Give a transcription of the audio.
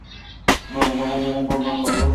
বিমানবন্দরের কর্মীরা তাদের দেখাশোনা করতেন।